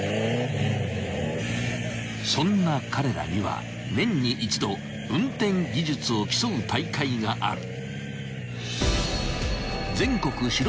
［そんな彼らには年に一度運転技術を競う大会がある］